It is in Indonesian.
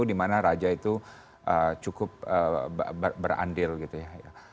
di mana raja itu cukup berandil gitu ya